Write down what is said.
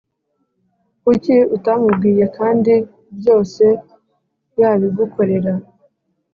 Kuki utamubwiye kandi byose yabigukorera